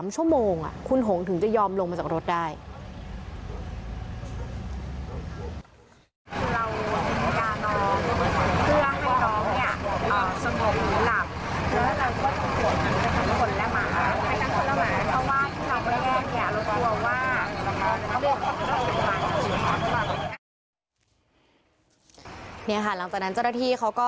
๓ชั่วโมงคุณหงถึงจะยอมลงมาจากรถได้